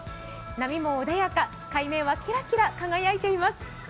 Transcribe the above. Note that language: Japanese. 波も穏やか、海面はキラキラと輝いています。